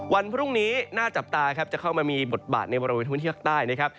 วันพรุ่งนี้น่าจับตาครับจะเข้ามามีบทบาทในบริเวณพื้นที่ภาคใต้นะครับ